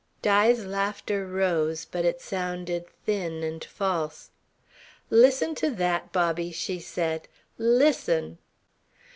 Di's laughter rose, but it sounded thin and false. "Listen to that, Bobby," she said. "Listen!"